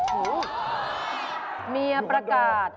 โอ้โหเมียประกาศ